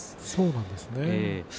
そうなんですね。